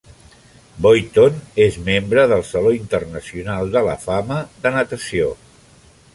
Boyton és membre del Saló internacional de la fama de natació.